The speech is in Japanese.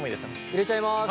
入れちゃいます。